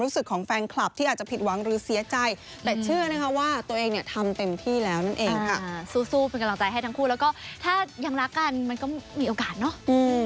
สู้เป็นกำลังใจให้ทั้งคู่แล้วก็ถ้ายังรักกันมันก็มีโอกาสเนาะ